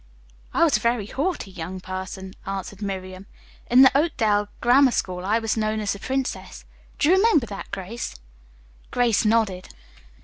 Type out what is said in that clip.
"I was a very haughty young person," answered Miriam. "In the Oakdale Grammar School I was known as the Princess. Do you remember that, Grace?" Grace nodded.